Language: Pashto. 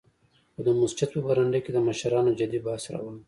خو د مسجد په برنډه کې د مشرانو جدي بحث روان و.